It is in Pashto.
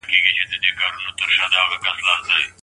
په کڅوڼي کي مي د خپلې کوټې کیلي ایښې وه.